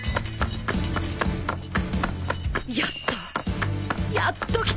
やっと！